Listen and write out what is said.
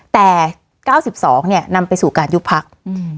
แต่เก้าสิบสองเนี้ยนำไปสู่การยุคพรรคอืม